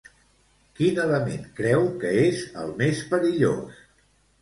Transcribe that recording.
Quin element creu que és el més perillós?